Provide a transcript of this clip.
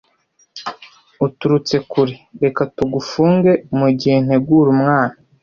uturutse kure! Reka tugufunge mugihe ntegura umwana,